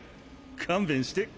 勘弁して。